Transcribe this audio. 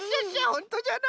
ほんとじゃな。